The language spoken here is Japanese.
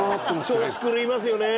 調子狂いますよね。